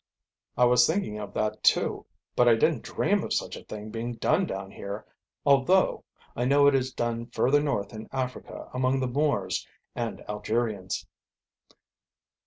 "I was thinking of that, too. But I didn't dream of such a thing being done down here although, I know it is done further north in Africa among the Moors and Algerians."